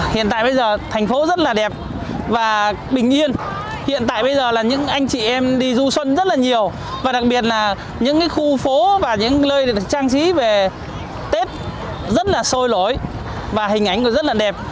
hiện tại bây giờ thành phố rất là đẹp và bình yên hiện tại bây giờ là những anh chị em đi du xuân rất là nhiều và đặc biệt là những khu phố và những lơi trang trí về tết rất là sôi nổi và hình ảnh rất là đẹp